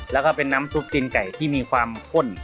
แล้วก็เป็นน้ำซุปตีนไก่ที่มีความข้น